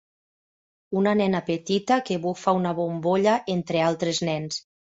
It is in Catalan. Una nena petita que bufa una bombolla entre altres nens.